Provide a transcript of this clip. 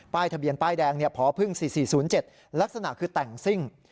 ทะเบียนป้ายแดงพพ๔๔๐๗ลักษณะคือแต่งซิ่ง